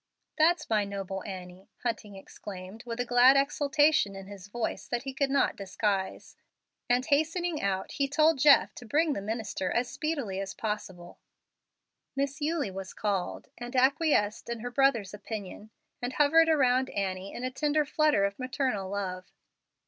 "That's my noble Annie," Hunting exclaimed, with a glad exultation in his voice that he could not disguise; and, hastening out, he told Jeff to bring the minister as speedily as possible. Miss Eulie was called, and acquiesced in her brother's opinion, and hovered around Annie in a tender flutter of maternal love.